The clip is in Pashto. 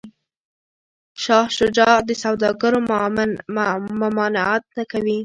شاه شجاع د سوداګرو ممانعت نه کوي.